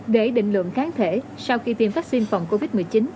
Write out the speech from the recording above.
để định lượng kháng thể sau khi tiêm vaccine phòng covid một mươi chín